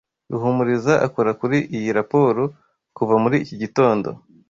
Ruhumuriza akora kuri iyi raporo kuva muri iki gitondo.